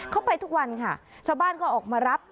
ไปทุกวันค่ะชาวบ้านก็ออกมารับ